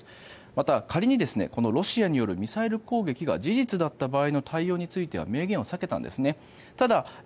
また、仮にロシアによるミサイル攻撃が事実だった場合の対応については明言を避けたんですね。